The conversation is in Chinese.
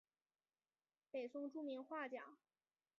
北宋著名画家。